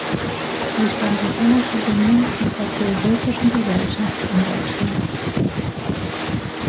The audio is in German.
Sie stand in enger Verbindung mit der Theosophischen Gesellschaft in Deutschland.